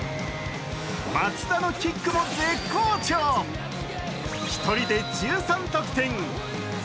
松田のキックも絶好調、１人で１３得点！